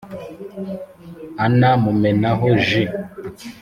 ana mumenaho jus